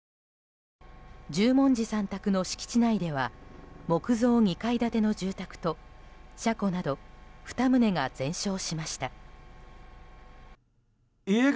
十文字さん宅の敷地内では木造２階建ての住宅と車庫など、２棟が全焼しました。